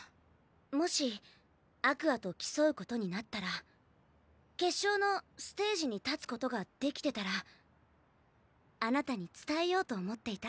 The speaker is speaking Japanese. もしＡｑｏｕｒｓと競うことになったら決勝のステージに立つことができてたらあなたに伝えようと思っていた。